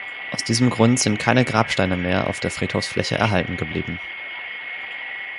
Aus diesem Grund sind keine Grabsteine mehr auf der Friedhofsfläche erhalten geblieben.